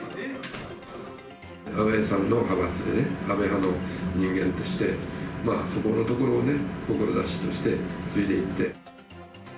安倍さんの派閥でね、安倍派の人間として、そこのところをね、志として継いでいって。